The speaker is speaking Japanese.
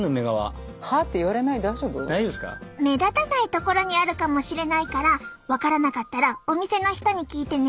目立たないところにあるかもしれないから分からなかったらお店の人に聞いてね。